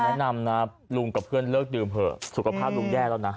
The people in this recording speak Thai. แนะนำนะลุงกับเพื่อนเลิกดื่มเถอะสุขภาพลุงแย่แล้วนะ